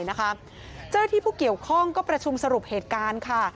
เจ้าหน้าที่ผู้เกี่ยวข้องก็ประชุมสรุปเหตุการณ์ค่ะ